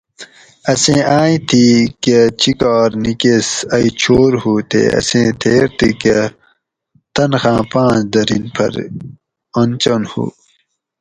اسیں آئیں تھی کہ چِکار نِکیس ائی چھور ہُو تے اسیں تھیر تھی کہ تنخاۤں پاۤنس دۤرین پۤھر انچن ہُو